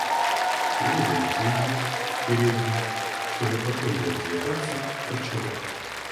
Левин тут же, в передней, чтобы потом не развлекаться, прочел их.